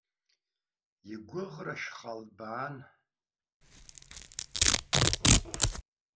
Игәыӷра шьхалбаан.